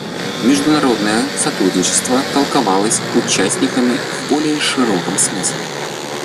Международное сотрудничество толковалось участниками в более широком смысле.